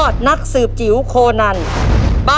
สวัสดีครับ